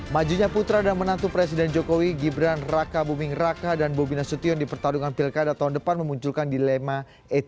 majunya putra dan menantu presiden jokowi gibran raka buming raka dan bobina sutyon di pertarungan perilkada tahun depan memunculkan dilema etika yang bermuara pada tudingan dinasti politik